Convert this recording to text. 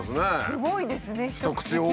すごいですね一口寄付。